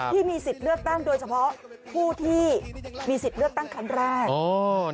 ที่มีสิทธิ์เลือกตั้งโดยเฉพาะผู้ที่มีสิทธิ์เลือกตั้งครั้งแรก